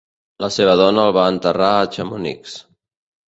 La seva dona el va fer enterrar a Chamonix.